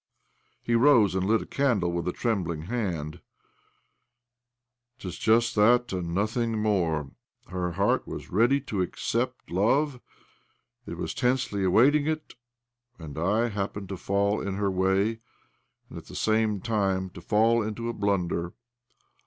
He rose and lit a candle with a trembling hand. " 'Tis just that and nothing more. Her heart was ready to accept love— it was tensely awaiting it— and I happened to fall in her way, and at the same tiirte to fall into OBLOMOV 187 a blunder.